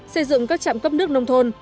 xây dựng các trạm cấp nước nông thôn